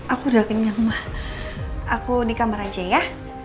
aku udah kenyang mah aku di kamar aja ya